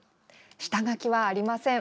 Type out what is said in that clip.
下書きはありません。